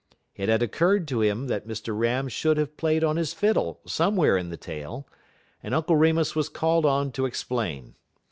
It had occurred to him that Mr. Ram should have played on his fiddle somewhere in the tale, and Uncle Remus was called on to explain.